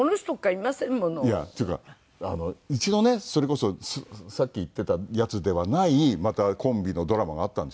いやというか一度ねそれこそさっき言ってたやつではないまたコンビのドラマがあったんですよね